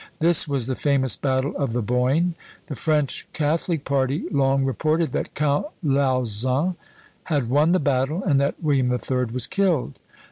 This was the famous battle of the Boyne. The French catholic party long reported that Count Lauzun had won the battle, and that William the Third was killed.